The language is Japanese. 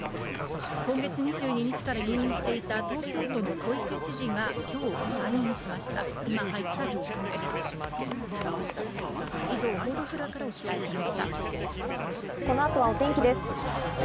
今月２２日から入院していた東京都の小池知事が今日、退院しまし松並さん、おはようございます。